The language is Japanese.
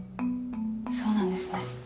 そうなんですね。